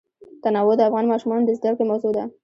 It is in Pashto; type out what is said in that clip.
تنوع د افغان ماشومانو د زده کړې موضوع ده.